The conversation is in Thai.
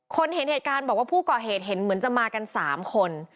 เห็นเหตุการณ์บอกว่าผู้ก่อเหตุเห็นเหมือนจะมากัน๓คน